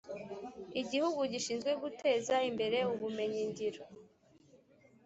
igihugu gishinzwe guteza imbere ubumenyi ngiro